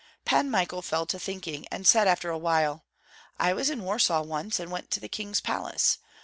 Pan Michael fell to thinking, and said after a while: "I was in Warsaw once, and went to the king's palace.